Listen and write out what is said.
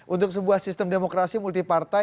untuk sebuah sistem demokrasi multi partai